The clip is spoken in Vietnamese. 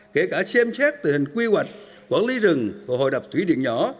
kể cả xem xét tình hình quy hoạch quản lý rừng và hồ đập thủy điện nhỏ